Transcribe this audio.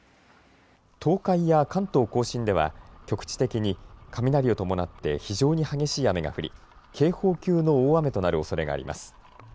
東海や関東甲信では局地的に雷を伴って非常に激しい雨が降り警報級の大雨となるおそれがあります。